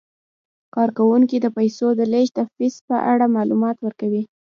کارکوونکي د پیسو د لیږد د فیس په اړه معلومات ورکوي.